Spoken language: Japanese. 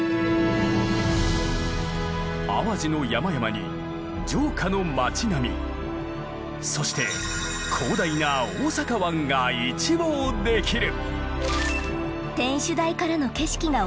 淡路の山々に城下の町並みそして広大な大阪湾が一望できる！